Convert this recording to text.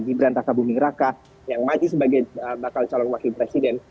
di berantaka bumi raka yang maju sebagai bakal calon wakil presiden